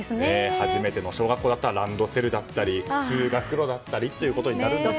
初めての小学校だったらランドセルだったり通学路だったりとね。